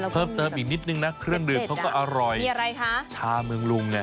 เพิ่มเติมอีกนิดนึงนะเครื่องดื่มเขาก็อร่อยมีอะไรคะชาเมืองลุงไง